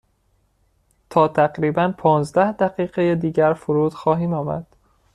تا تقریبا پانزده دقیقه دیگر فرود خواهیم آمد.